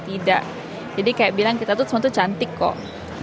tidak jadi kayak bilang kita tuh sesuatu cantik kok